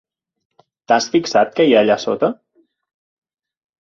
T'has fixat què hi ha allà sota?